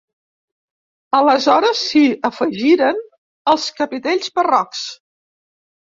Aleshores s'hi afegiren els capitells barrocs.